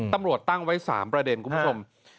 ตำรวจตั้งไว้๓ประเด็นคุณผู้ชม